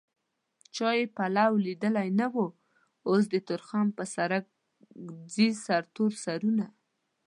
چا يې پلو ليدلی نه و اوس د تورخم په سرک ځي سرتور سرونه